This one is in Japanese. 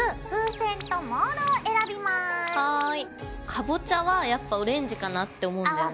かぼちゃはやっぱオレンジかなって思うんだよね。